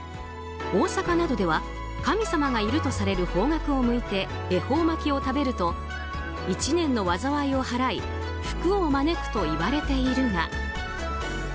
大阪などでは神様がいるとされる方角を向いて恵方巻きを食べると１年の災いを払い福を招くといわれているが。